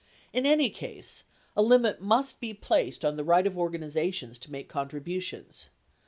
In any case, a limit must be placed on the right of organizations to make con tributions.